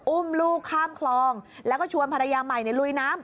อุ้มลูกข้ามคลองแล้วก็ชวนภรรยาใหม่ลุยน้ำ